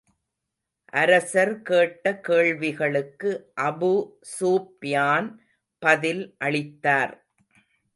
அரசர் கேட்ட கேள்விகளுக்கு அபூ ஸூப்யான் பதில் அளித்தார்.